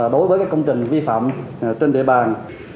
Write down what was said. đối với công trình vi phạm trên địa bàn